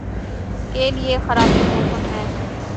کے لئے خرابیٔ موسم ہے۔